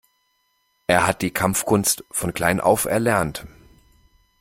Er hat die Kampfkunst von klein auf erlernt.